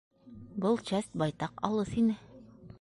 Был часть байтаҡ алыҫ ине.